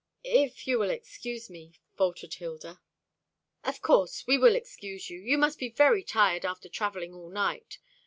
"If you will excuse me," faltered Hilda. "Of course, we will excuse you. You must be very tired, after travelling all night.